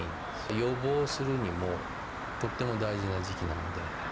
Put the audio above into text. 予防するにも、とっても大事な時期なんで。